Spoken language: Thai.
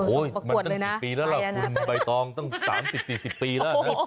โอ้โหมันตั้ง๑๐ปีแล้วหรอคุณใบตองตั้ง๓๐๔๐ปีแล้วนะ